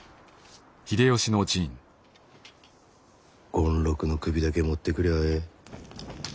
権六の首だけ持ってくりゃあええ。